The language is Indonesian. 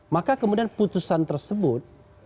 maka kemudian putusan tersebut